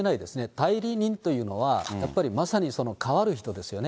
代理人というのは、やっぱりまさに代わる人ですよね。